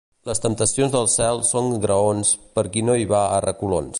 Les temptacions del cel són graons per qui no hi va a reculons.